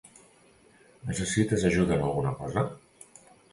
Necessites ajuda en alguna cosa?